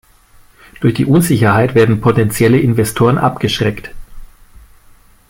Durch die Unsicherheit werden potenzielle Investoren abgeschreckt.